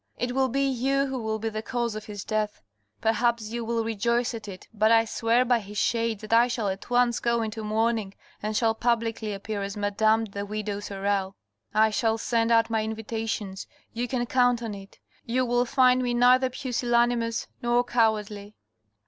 " It will be you who will be the cause of his death. ... Perhaps you will rejoice at it but I swear by his shades that I shall at once go into mourning, and shall publicly appear as Madame the widow Sorel, I shall send out my invitations, you can count on it. .. You will find me neither pusillanimous nor cowardly."